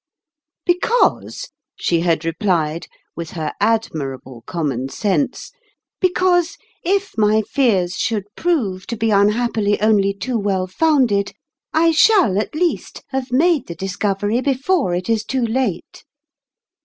"Because," she had replied, with her ad mirable common sense, "because, if my fears should prove to be unhappily only too well founded, I shall, at least, have made the dis covery before it is too late."